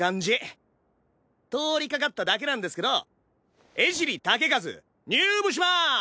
通りかかっただけなんですけど江尻武一入部しまーす！